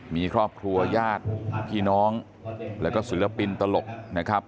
มีครอบครัวญาติพี่น้องแล้วก็ศิลปินตลกนะครับ